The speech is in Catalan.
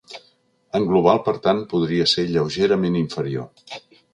En global, per tant, podria ser lleugerament inferior.